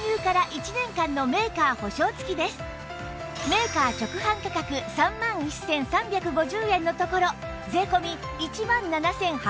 メーカー直販価格３万１３５０円のところ税込１万７８００円